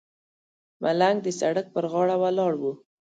ملنګ د سړک پر غاړه ولاړ و.